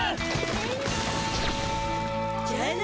じゃあな！